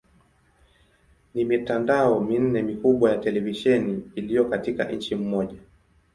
Ni mitandao minne mikubwa ya televisheni iliyo katika nchi moja.